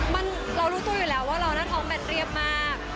มันเรารู้ตัวอยู่แล้วว่าเรานั่งท้องแบนเรียบมาก